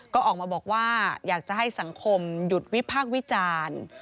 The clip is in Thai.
ก็ออกมาบอกว่าอยากจะให้สังคมหยุดวิพากษ์วิจารณ์